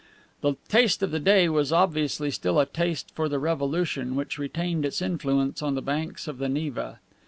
The taste of the day was obviously still a taste for the revolution, which retained its influence on the banks of the Neva.